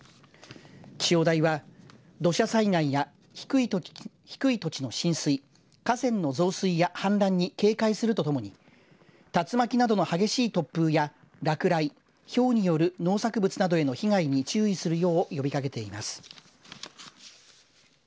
気象台は土砂災害や低い土地の浸水、河川の増水や氾濫に警戒するとともに竜巻などの激しい突風や落雷、ひょうによる農作物などへの被害に注意するよう呼びかけています。